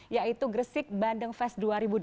yaitu gresik bandeng fest dua ribu dua puluh satu